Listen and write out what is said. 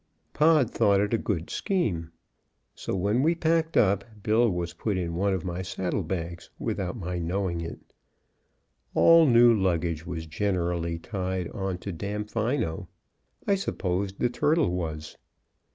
Pod thought it a good scheme. So, when we packed up, Bill was put in one of my saddle bags, without my knowing it. All new luggage was generally tied on to Damfino; I supposed the turtle was.